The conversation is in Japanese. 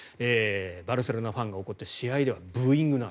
バルセロナファンが起こって試合ではブーイングの嵐。